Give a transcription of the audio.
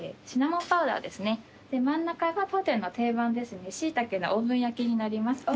真ん中が当店の定番ですねシイタケのオーブン焼きになります。